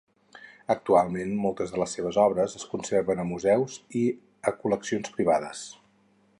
Actualment, moltes de les seves obres es conserven a museus i a col·leccions privades.